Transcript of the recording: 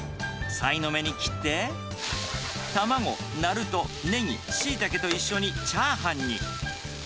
さいの目に切って、卵、ナルト、ネギ、シイタケと一緒に、チャーハンに。